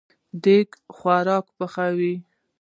دیګ خواړه پخوي